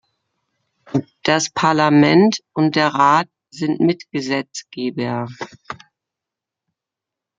Das Parlament und der Rat sind Mitgesetzgeber.